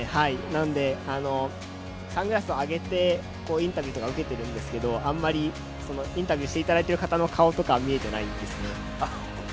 なのでサングラスを上げて、インタビューとか受けてるんですけどあんまりインタビューしていただいている方の顔とかは見えていないんです。